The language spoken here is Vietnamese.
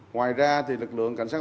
ngoài ra thì lực lượng cảnh sát